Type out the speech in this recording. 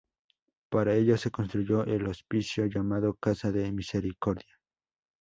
Para ello se construyó el hospicio llamado Casa de Misericordia.